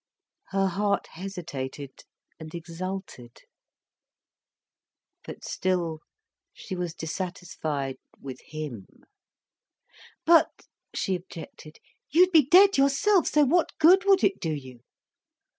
Her heart hesitated, and exulted. But still, she was dissatisfied with him. "But," she objected, "you'd be dead yourself, so what good would it do you?"